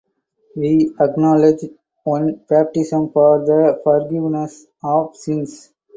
We acknowledge one baptism for the forgiveness of sins.